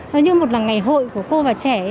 nó như một là ngày hội của cô và trẻ